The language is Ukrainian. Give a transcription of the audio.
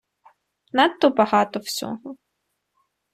Надто багато всього.